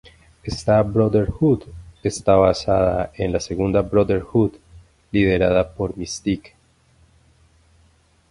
Esta Brotherhood está basada en la segunda Brotherhood, liderada por Mystique.